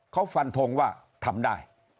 เขาฟันทงว่าทำได้